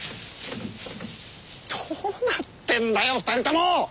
どうなってんだよ２人とも！？